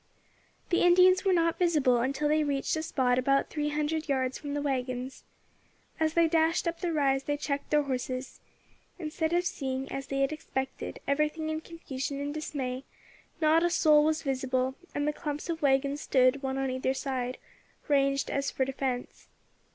The Indians were not visible until they reached a spot about three hundred yards from the waggons. As they dashed up the rise they checked their horses. Instead of seeing, as they had expected, everything in confusion and dismay, not a soul was visible, and the clumps of waggons stood, one on either side, ranged as for defence.